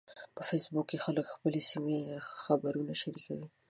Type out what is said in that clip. په فېسبوک کې خلک د خپلې سیمې خبرونه شریکوي